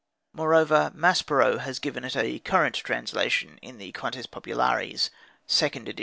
Moreover, Maspero has given a current translation in the "Contes Populaires," 2nd edit.